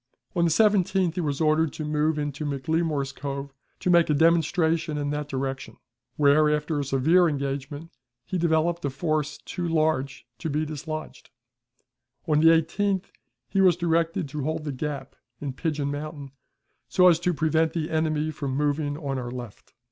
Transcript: On the 17th he was ordered to move into McLemore's Cove to make a demonstration in that direction, where, after a severe engagement, he developed a force too large to be dislodged. On the 18th he was directed to hold the gap in Pigeon Mountain, so as to prevent the enemy from moving on our left.